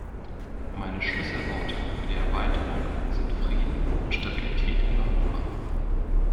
Meine Schlüsselworte für die Erweiterung sind Frieden und Stabilität in Europa.